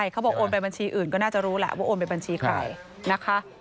เขาบอกโอนไปบัญชีอื่นก็น่าจะรู้แหละว่าโอนไปบัญชีใครนะคะ